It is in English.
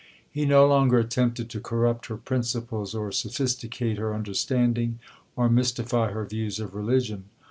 He no longer attempted to corrupt her principles, or sophisticate her understanding, or mystify her views of religion.